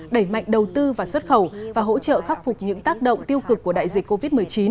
đẩy mạnh đầu tư và xuất khẩu và hỗ trợ khắc phục những tác động tiêu cực của đại dịch covid một mươi chín